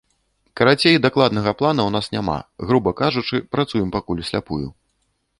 Карацей, дакладнага плана ў нас няма, груба кажучы, працуем пакуль усляпую.